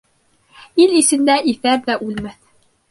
Ил эсендә иҫәр ҙә үлмәҫ.